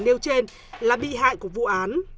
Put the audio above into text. nêu trên là bị hại của vụ án